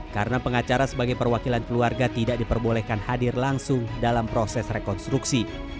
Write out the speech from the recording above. karena pengacara sebagai perwakilan keluarga tidak diperbolehkan hadir langsung dalam proses rekonstruksi